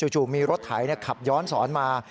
จู่มีรถไถขับย้อนศรมา